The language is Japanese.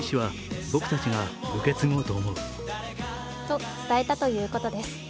と伝えたということです。